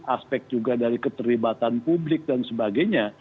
aspek juga dari keterlibatan publik dan sebagainya